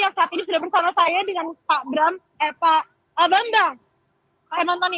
yang saat ini sudah bersama saya dengan pak bram eh pak abang pak hemantoni